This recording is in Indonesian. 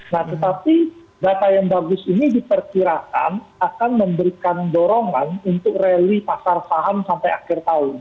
nah tetapi data yang bagus ini diperkirakan akan memberikan dorongan untuk rally pasar saham sampai akhir tahun